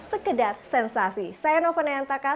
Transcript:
sekedar sensasi saya novo nenaka